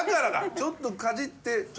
ちょっとかじって。